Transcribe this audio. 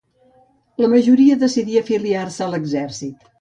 La majoria decidí afiliar-se a l'exèrcit.